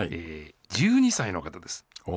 １２歳の方です。